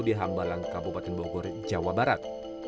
di hambalang kabupaten bogor jawa barat